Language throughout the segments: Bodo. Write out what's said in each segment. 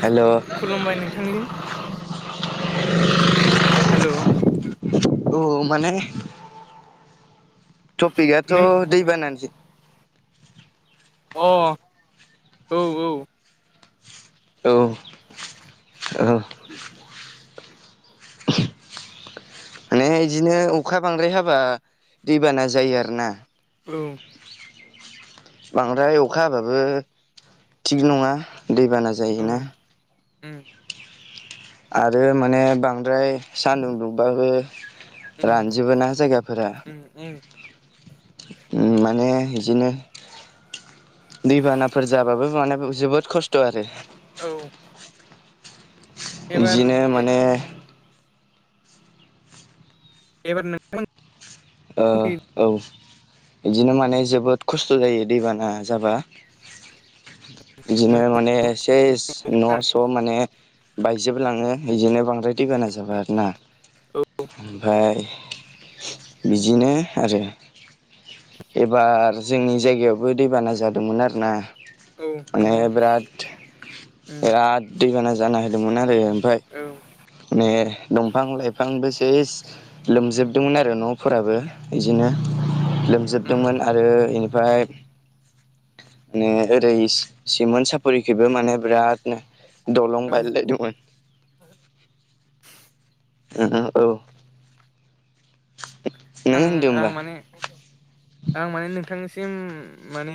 हेल' खुलुमबाय नोंथांनि हेलौ औ माने टपिकआथ' नों दैबानानि ओ औ औ [inaudible] माने बिदिनो अखा बांद्राय हाबा दैबाना जायो आरो ना औ बांद्राय अखा हाबाबो थिग नङा दैबाना जायोना उम आरो माने बांद्राय सानदुं दुंबाबो रानजोबो ना जायगाफोरा ओम ओम ओम माने इदिनो दैबानाफोर जाबाबो माने जोबोद खस्थ' आरो औ एबार बिदिनो माने एबार नोंथां ओ औ बिदिनो माने जोबोद खस्थ' जायो दैबाना जाबा इदिनो माने सेस न'स' माने बायजोबलाङो बिदिनो बांद्राय दै बाना जाबा आरोना औ ओमफ्राय बिदिनो आरो एबार जोंनि जायगायावबो दैबाना जादोंमोन आरो ना औ नंगौ उम बिराद दैबाना जाना होदोंमोन आरो ओमफ्राय औ मे दंफां लाइफां बेसे लोमजोबदोंमोन आरो न'फोराबो बिदिनो उम लोमजोबदोंमोन आरो बेनिफ्राय ने ओरै सि सिमोन साफरिखैबो माने बिराद नो दलं औ बायलायदोंमोन औ आं नों होनदो आं होम्बा माने आं माने नोंथांनिसिम माने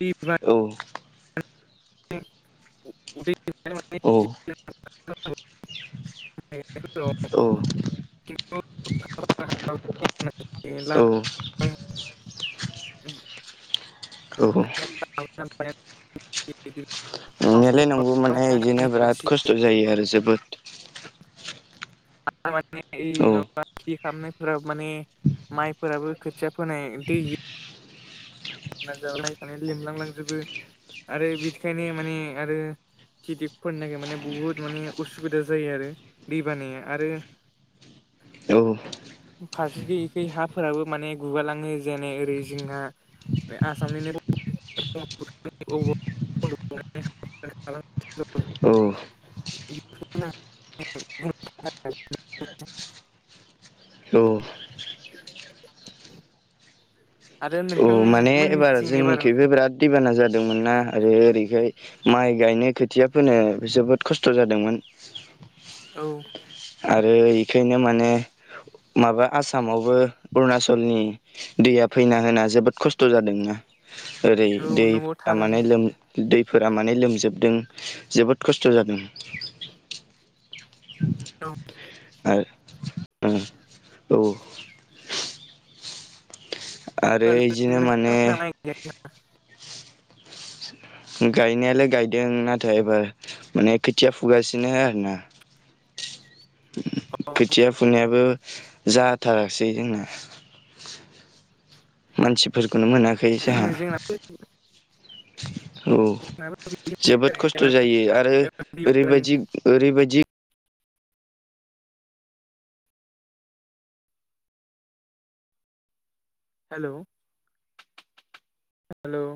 बि बा औ औ [unintelligible] औ एन ला औ औ [unintelligible] नंनायालाय नंगौ माने बिदिनो बिराद खस्थ' जायो आरो जोबोद। म [unintelligible] औ खेथि खालामनायफोराव माने माइफोराबो खोथिया फोनाय दै जाब नायनानै लोमलांलांजोबो आरो बिदिखायनो माने आरो खिथिफोरनि थाखाय माने बुहुत माने उसुबिदा जायो आरो दै बानाया आरो [inaudible] औ फारसेखै एखै हाफोराबो माने गुगालाङो जेने ओरै जोंहा आसामनिनो [unintelligible] [unintelligible] औ औ आरो नों औ माने एबार जोंनिखैबो बिराद दैबाना जादोंमोन ना आरो ओरैखाय माइ गायनो खोथिया फोनो जोबोद खस्थ' जादोंमोन। औ आरो इखायनो माने माबा आसामावबो अरुणाचलनि दैया फैना होना जोबोद खस्थ' जादोंना ओरै औ नंगौ दैफोरा थारानो माने लोम दैफोरा माने लोमजोबदों जोबोद खस्थ' जादों। आरो औ औ आरो बिदिनो माने नोंथांमोना माइ गायाखै नामा? गायनायालाय गायदों नाथाय एबार माने खोथिया फुगासिनो आरो ना खोथिया फुनायाबो जाथारासै जोंना मानसिफोरखौनो मोनाखै खै जोंहा जोंना औ जोबोद खस्थ' हेल' जायो आरो ओरैबायदि ओरैबायदि हेल' हेल'